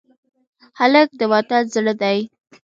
هلک د وطن زړه دی.